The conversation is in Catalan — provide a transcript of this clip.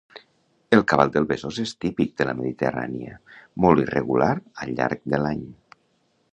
El cabal del Besòs és típic de la Mediterrània, molt irregular al llarg de l'any.